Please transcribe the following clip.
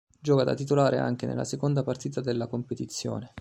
Gioca da titolare anche nella seconda partita della competizione.